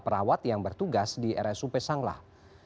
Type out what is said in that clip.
perawat yang bertugas di rsup sanglah